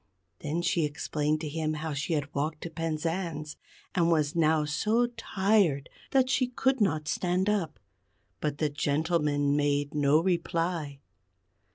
Then she explained to him how she had walked to Penzance, and was now so tired that she could not stand up. But the gentleman made no reply.